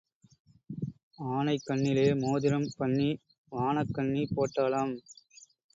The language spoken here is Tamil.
ஆனைக் கண்ணிலே மோதிரம் பண்ணி வானக் கண்ணி போட்டாளாம்.